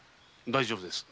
大丈夫です。